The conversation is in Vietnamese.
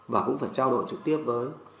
và cũng phải trao đổi trực tiếp với